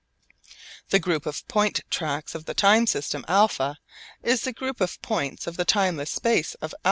The group of point tracks of the time system α is the group of points of the timeless space of α.